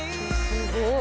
すごい！